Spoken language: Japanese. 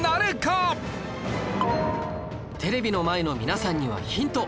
テレビの前の皆さんにはヒント